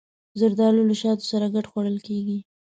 زردالو له شاتو سره ګډ خوړل کېږي.